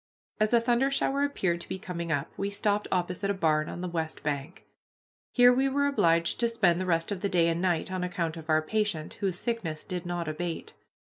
As a thunder shower appeared to be coming up we stopped opposite a barn on the west bank. Here we were obliged to spend the rest of the day and night, on account of our patient, whose sickness did not abate.